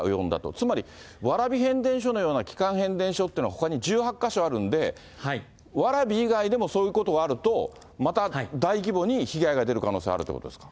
つまり、蕨変電所のような基幹変電所っていうのは、ほかに１８か所あるんで、蕨以外でもそういうことがあると、また大規模に被害が出る可能性があるってことですか？